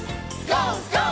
ＧＯ！